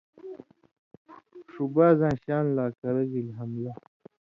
ݜُو بازاں شان لہ کرہ گِلی حملہ